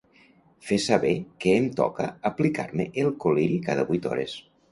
Fer saber que em toca aplicar-me el col·liri cada vuit hores.